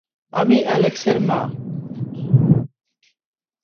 আমি অ্যালেক্সের মা।